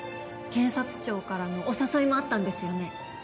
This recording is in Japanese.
検察庁からのお誘いもあったんですよね